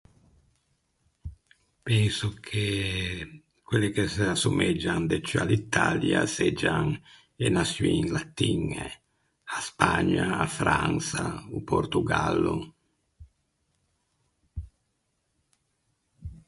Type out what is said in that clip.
Penso che quelli che s’assumeggian de ciù à l’Italia seggian e naçioin latiñe: a Spagna, a Fransa, o Portogallo.